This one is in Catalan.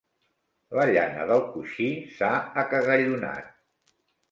La llana del coixí s'ha acagallonat.